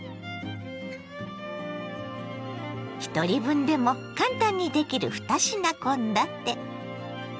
ひとり分でも簡単にできる２品献立。